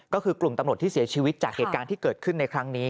ก็คือกลุ่มตำรวจที่เสียชีวิตจากเหตุการณ์ที่เกิดขึ้นในครั้งนี้